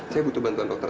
saya butuh bantuan dokter